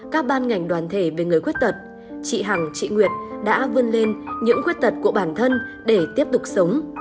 các ban ngành đoàn thể về người khuyết tật chị hằng chị nguyệt đã vươn lên những khuyết tật của bản thân để tiếp tục sống